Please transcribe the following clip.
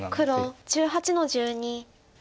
黒１８の十二。